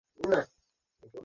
সম্মানিত আরশের তিনি অধিপতি।